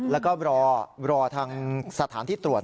แล้วก็รอทางสถานที่ตรวจ